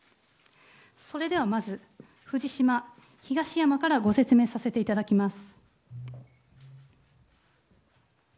それではまず藤島、東山からご説明させていただきます。